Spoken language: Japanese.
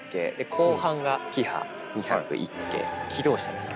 後半がキハ２０１系、気動車ですね。